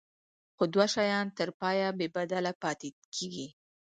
خو دوه شیان تر پایه بې بدله پاتې کیږي.